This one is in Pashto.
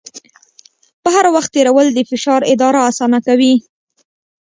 بهر وخت تېرول د فشار اداره اسانه کوي.